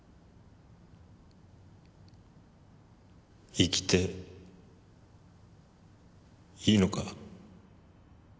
生きていいのか？